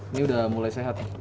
ini udah mulai sehat